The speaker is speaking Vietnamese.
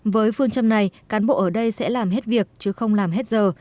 với phương châm này cán bộ ở đây sẽ làm hết việc chứ không làm hết giờ